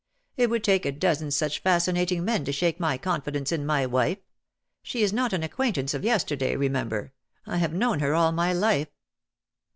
" It would take a dozen such fascinating men to shake my confidence in my wife : she is not an acquaintance of yesterday, remember : I have known her all my life."